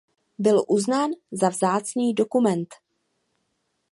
Byl uznán za vzácný dokument.